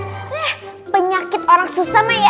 hmm penyakit orang susah mah ya